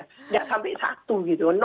tidak sampai satu gitu